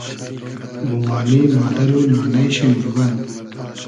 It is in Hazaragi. مومانی ، مادئر و نانݷ شی نوربئن